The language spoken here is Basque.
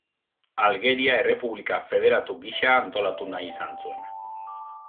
Aljeria errepublika federatu gisa antolatu nahi izan zuen.